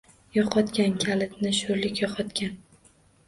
Yo‘qotgan! Kalitni sho‘rlik yo‘qotgan.